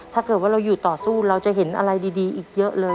ถ้าเกิดว่าเราอยู่ต่อสู้เราจะเห็นอะไรดีอีกเยอะเลย